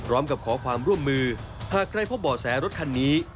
พร้อมกับขอความร่วมมือหากใครพบเบาะแสรถคันนี้